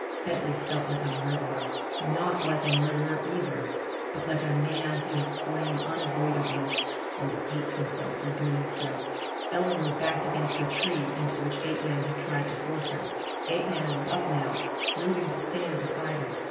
Bentley felt like a murderer. Not like a murderer, either, but like a man who has slain unavoidably and hates himself for doing so. Ellen was backed against the tree into which Apeman had tried to force her. Apeman was up now, moving to stand beside her.